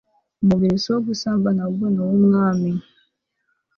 umubiri si uwo gusambana ahubwo ni uw umwami